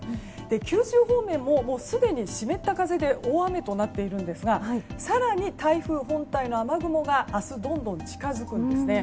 九州方面も、すでに湿った風で大雨となっているんですが更に、台風本体の雨雲が明日どんどん近づくんですね。